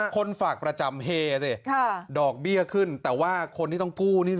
คนฝากประจำเฮสิดอกเบี้ยขึ้นแต่ว่าคนที่ต้องกู้นี่